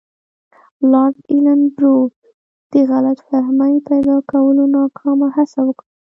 لارډ ایلن برو د غلط فهمۍ پیدا کولو ناکامه هڅه وکړه.